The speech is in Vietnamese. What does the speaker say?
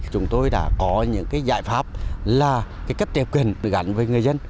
chúng tôi đã có những giải pháp là cách tiệm quyền gắn với người dân